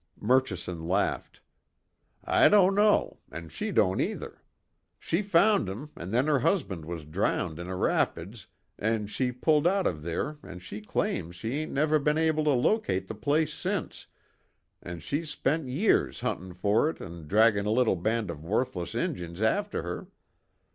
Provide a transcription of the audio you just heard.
Murchison laughed: "I don't know an' she don't either. She found 'em, an' then her husband was drowned in a rapids and she pulled out of there and she claims she ain't never be'n able to locate the place since, an' she's spent years huntin' for it an' draggin' a little band of worthless Injuns after her.